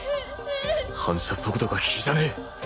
反射速度が比じゃねえ